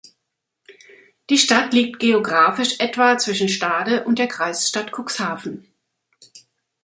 Die Stadt liegt geografisch etwa zwischen Stade und der Kreisstadt Cuxhaven.